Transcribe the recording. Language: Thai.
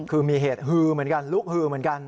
คือมีเหตุฮือเหมือนกันลุกฮือเหมือนกัน